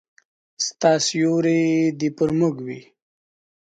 ستا سیوری دي پر موږ وي